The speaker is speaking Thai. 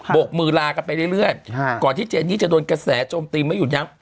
กมือลากันไปเรื่อยก่อนที่เจนนี่จะโดนกระแสโจมตีไม่หยุดยั้ง